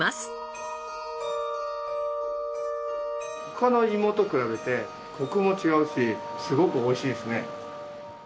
他の芋と比べてコクも違うしすごく美味しいですね。